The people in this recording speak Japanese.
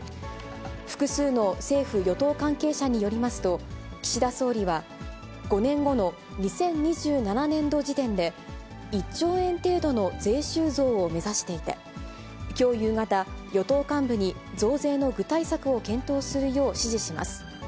複数の政府・与党関係者によりますと、岸田総理は、５年後の２０２７年度時点で、１兆円程度の税収増を目指していて、きょう夕方、与党幹部に増税の具体策を検討するよう指示します。